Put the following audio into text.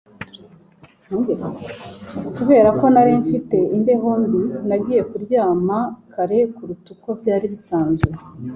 Kubera ko nari mfite imbeho mbi, nagiye kuryama kare kuruta uko byari bisanzwe.